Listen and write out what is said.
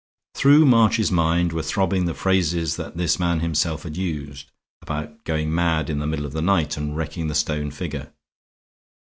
Through March's mind were throbbing the phrases that this man himself had used, about going mad in the middle of the night and wrecking the stone figure.